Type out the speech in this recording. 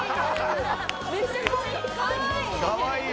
かわいい！